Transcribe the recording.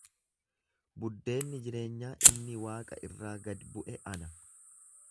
Buddeenni jireenyaa inni waaqa irraa gad bu’e ana.